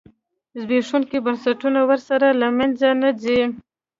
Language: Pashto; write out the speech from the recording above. زبېښونکي بنسټونه ورسره له منځه نه ځي.